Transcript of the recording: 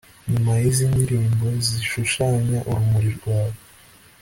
nyuma yizi ndirimbo zishushanya urumuri rwawe